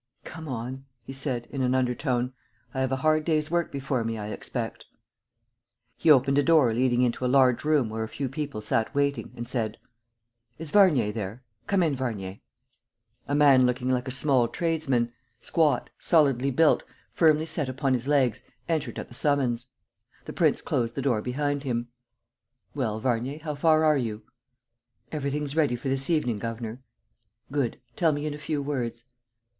"Come on!" he said, in an undertone. "I have a hard day's work before me, I expect." He opened a door leading into a large room where a few people sat waiting, and said: "Is Varnier there? Come in, Varnier." A man looking like a small tradesman, squat, solidly built, firmly set upon his legs, entered at the summons. The prince closed the door behind him: "Well, Varnier, how far are you?" "Everything's ready for this evening, governor." "Good. Tell me in a few words."